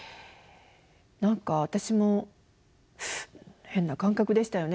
何か私も変な感覚でしたよね。